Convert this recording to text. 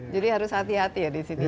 jadi harus hati hati ya di sini